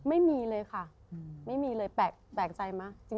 ไม่มีเลยค่ะไม่มีเลยแปลกใจมาก